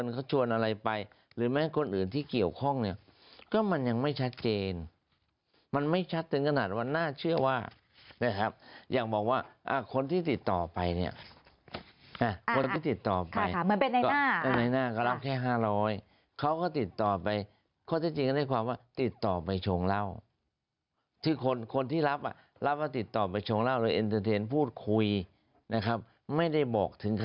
เขาก็พยายามให้แต่ว่ามันไปไม่ถึงบางเรื่อง